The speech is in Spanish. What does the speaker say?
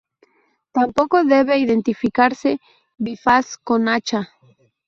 Tampoco debe identificarse bifaz con hacha.